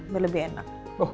biar lebih enak